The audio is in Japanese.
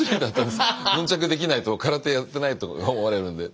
ヌンチャクできないと空手やってないと思われるんで。